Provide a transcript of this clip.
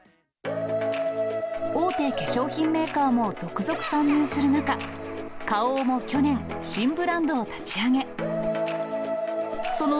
大手化粧品メーカーも続々参入する中、花王も去年、新ブランドを立ち上げ。